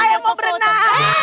saya mau berenang